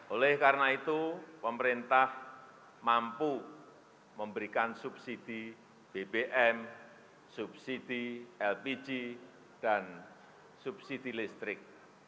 oleh karena itu pemerintah mampu memberikan subsidi bbm subsidi lpg dan subsidi listrik